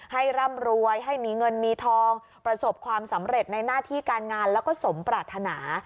ร่ำรวยให้มีเงินมีทองประสบความสำเร็จในหน้าที่การงานแล้วก็สมปรารถนา